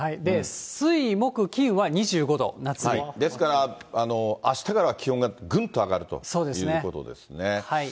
水、木、ですから、あしたから気温がぐんと上がるということですね。